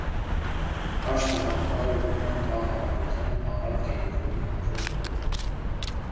Խաշն ավանդաբար ուտում են վաղ առավոտյան՝ առատ կերուխումի հաջորդ օրը։